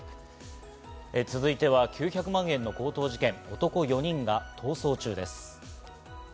続いては９００万円の強盗事件、男４人が逃走中です。